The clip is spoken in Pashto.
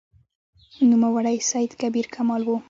نوموړی سید کبیر کمال و.